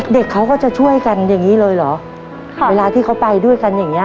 เด็กเขาก็จะช่วยกันอย่างงี้เลยเหรอค่ะเวลาที่เขาไปด้วยกันอย่างเงี้